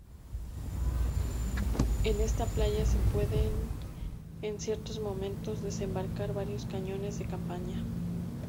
En esta playa, se puede en ciertos momentos, desembarcar varios cañones de campaña.